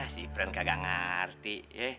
si pren kagak ngerti